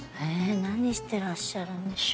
何してらっしゃるんでしょう。